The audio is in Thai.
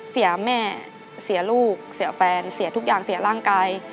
เสียแม่เสียลูกเสียแฟนเสียทุกอย่างเสียร่างกาย